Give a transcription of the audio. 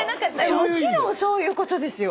もちろんそういうことですよ。